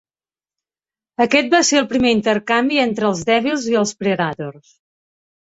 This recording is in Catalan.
Aquest va ser el primer intercanvi entre els Devils i els Predators.